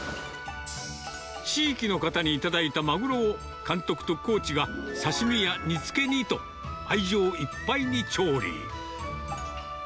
地域の方に頂いたマグロを、監督とコーチが刺身や煮つけにと、愛情いっぱいに調理。